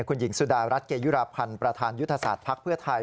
คุณหญิงสุดารัฐเกยุราพันธ์ประธานยุทธศาสตร์ภักดิ์เพื่อไทย